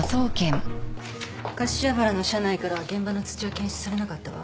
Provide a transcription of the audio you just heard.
柏原の車内からは現場の土は検出されなかったわ。